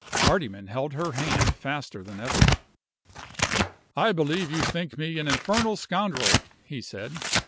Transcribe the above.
Hardyman held her hand faster than ever. "I believe you think me an infernal scoundrel!" he said.